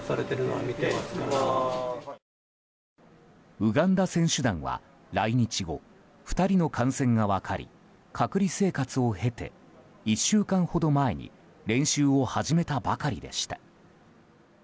ウガンダ選手団は来日後、２人の感染が分かり隔離生活を経て１週間ほど前に練習を始めたばかりでした。